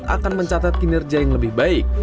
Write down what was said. akan mencatat kinerja yang lebih baik